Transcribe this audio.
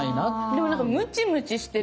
でもなんかムチムチしてる。